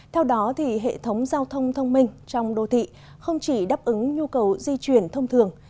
theo đó hệ thống giao thông thông minh trong đô thị không chỉ đáp ứng nhu cầu di chuyển thông thường